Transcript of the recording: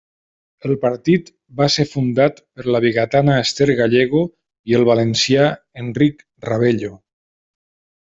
El partit va ser fundat per la vigatana Ester Gallego i al valencià Enric Ravello.